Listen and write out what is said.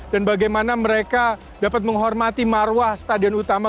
dan bagaimana mereka dapat menghormati marwah stadion utama